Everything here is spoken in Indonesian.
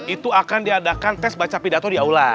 itu akan diadakan tes baca pidato di aula